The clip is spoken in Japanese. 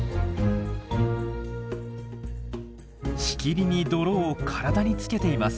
しきりに泥を体につけています。